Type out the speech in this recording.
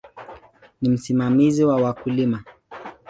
Ni msimamizi wa wakulima.